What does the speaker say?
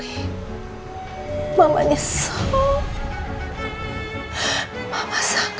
bila bukan misalnya dia makan bareng itu